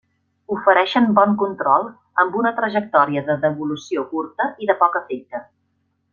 Ofereixen bon control amb una trajectòria de devolució curta i de poc efecte.